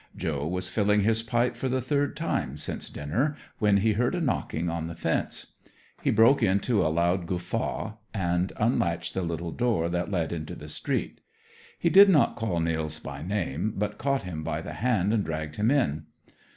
Joe was filling his pipe for the third time since dinner, when he heard a knocking on the fence. He broke into a loud guffaw and unlatched the little door that led into the street. He did not call Nils by name, but caught him by the hand and dragged him in.